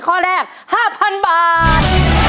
ข้อแรก๕๐๐๐บาท